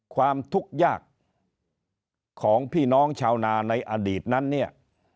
ความทุกข์ยากของพี่น้องชาวนาในอดีตนั้นเนี่ย